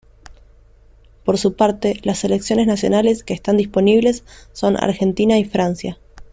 Por su parte, las selecciones nacionales que están disponibles son Argentina y Francia.